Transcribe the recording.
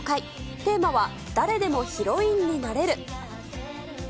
テーマは、誰でもヒロインになれる。